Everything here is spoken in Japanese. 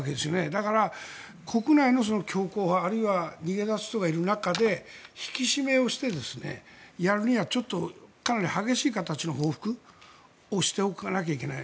だから、国内の強硬派あるいは逃げ出す人がいる中で引き締めをしてやるにはかなり激しい形の報復をしておかなきゃいけない。